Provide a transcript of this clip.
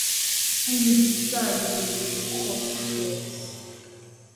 On ne peut pas déloger ses propres pièces.